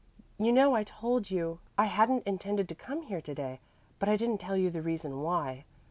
You know I told you I hadn't intended to come here to day, but I didn't tell you the reason why.